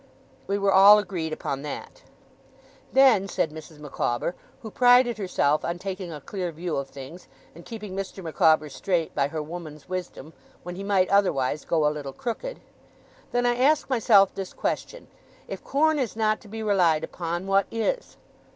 We were all agreed upon that. 'Then,' said Mrs. Micawber, who prided herself on taking a clear view of things, and keeping Mr. Micawber straight by her woman's wisdom, when he might otherwise go a little crooked, 'then I ask myself this question. If corn is not to be relied upon, what is?